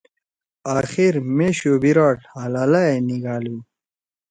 آخر مے شو بیِراڑ حلالا ئے نیِگھالُو۔